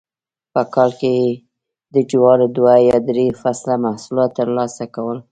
په کال کې یې د جوارو دوه یا درې فصله محصولات ترلاسه کول